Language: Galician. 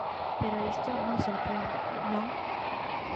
Pero isto non sorprende, non?